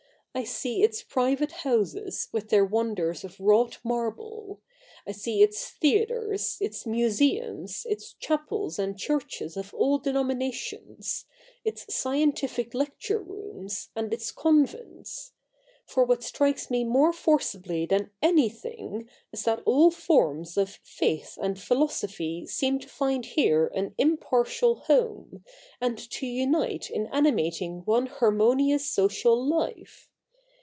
I see its private houses with their wonders of wrought marble ; I see its theatres, its museums, its chapels and churches of all denominations, its scientific lecture rooms, and its convents. For what strikes me more forcibly than anything is that all forms of faith and philosophy seem to find here an impartial home, and to unite in animating one harmonious social life.